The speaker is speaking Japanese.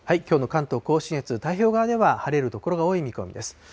きょうの関東甲信越、太平洋側では晴れる所が多い見込みです。